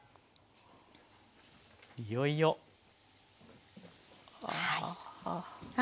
いよいよあ。